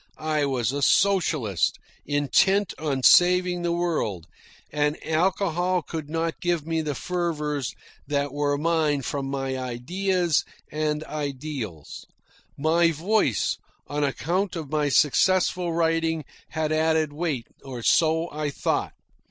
I was a socialist, intent on saving the world, and alcohol could not give me the fervours that were mine from my ideas and ideals. My voice, on account of my successful writing, had added weight, or so I thought.